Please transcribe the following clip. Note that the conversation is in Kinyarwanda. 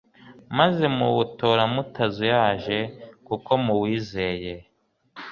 maze muwutora mutazuyaje kuko muwizeye